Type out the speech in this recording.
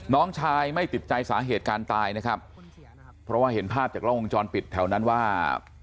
น้องชายไม่ติดใจสาเหตุการตายนะครับเพราะว่าเห็นภาพจากล้องวงจรปิดแถวนั้นว่า